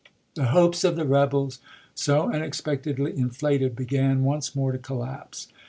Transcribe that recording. The hopes of the rebels, so unexpectedly inflated, began once more to collapse.